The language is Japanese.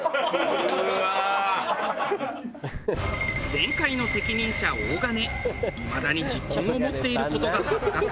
前回の責任者大金いまだに実権を持っている事が発覚。